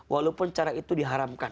walaupun cara itu diharamkan